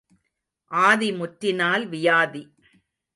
ஆதி முற்றினால் வியாதி.